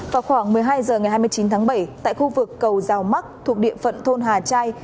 vào khoảng một mươi hai h ngày hai mươi chín tháng bảy tại khu vực cầu rào mắc thuộc địa phận thôn hà trai